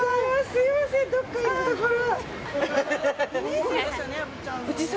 すみません、どっか行くところ。